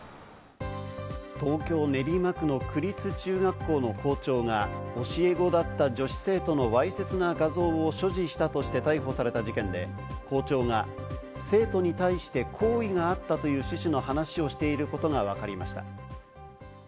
東京・練馬区の区立中学校の校長が、教え子だった女子生徒のわいせつな画像を所持したとして逮捕された事件で、校長が生徒に対して好意があったという趣旨の話をしていることがわかりました。